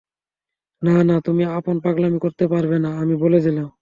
না না, তুমি অমন পাগলামি করতে পারবে না, আমি বলে দিলেম।